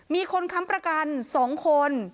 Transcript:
มีคนค้ำประกัน๒คน